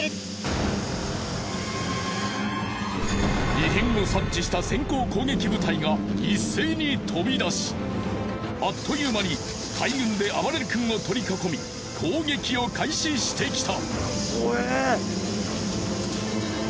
異変を察知した先行攻撃部隊が一斉に飛び出しあっという間に大群であばれる君を取り囲み攻撃を開始してきた。